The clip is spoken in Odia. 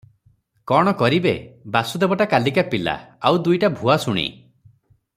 କ’ଣ କରିବେ – ବାସୁଦେବଟା କାଲିକା ପିଲା, ଆଉ ଦୁଇଟା ଭୁଆସୁଣୀ ।